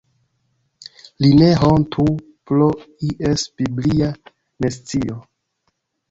Li ne hontu pro ies biblia nescio.